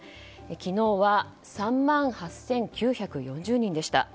昨日は３万８９４０人でした。